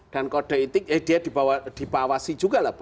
dan kode etik eh dia dibawasi juga lah